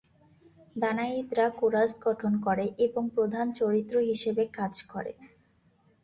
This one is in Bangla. দানাইদরা কোরাস গঠন করে এবং প্রধান চরিত্র হিসেবে কাজ করে।